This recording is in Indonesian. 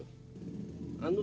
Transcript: aku sudah selesai